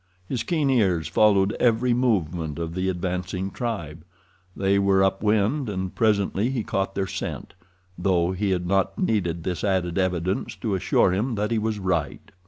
His keen ears followed every movement of the advancing tribe. They were upwind, and presently he caught their scent, though he had not needed this added evidence to assure him that he was right.